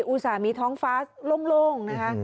อุตส่าห์มีท้องฟ้าโล่งนะคะ